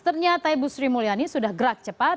ternyata ibu sri mulyani sudah gerak cepat